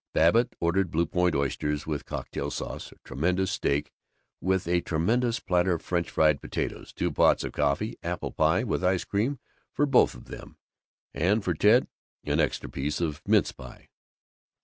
Babbitt ordered Blue Point oysters with cocktail sauce, a tremendous steak with a tremendous platter of French fried potatoes, two pots of coffee, apple pie with ice cream for both of them and, for Ted, an extra piece of mince pie.